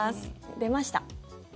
出ました。